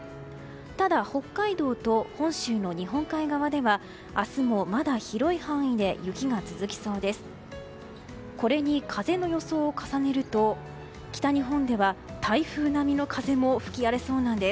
ただ、北海道と本州の日本海側では明日もまだ広い範囲で雪が続きそうです。